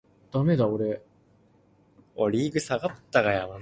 結果才不到半天，你走了。